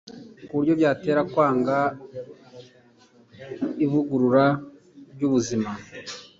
ku buryo byabatera kwanga ivugurura ryubuzima